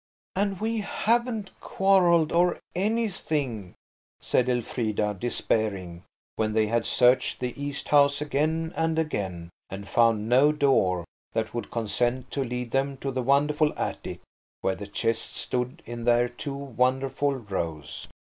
"And we haven't quarrelled or anything," said Elfrida, despairing when they had searched the East House again and again, and found no door that would consent to lead them to the wonderful attic where the chests stood in their two wonderful rows.